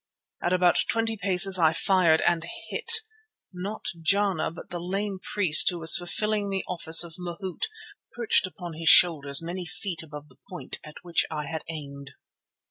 At about twenty paces I fired and hit—not Jana but the lame priest who was fulfilling the office of mahout, perched upon his shoulders many feet above the point at which I had aimed.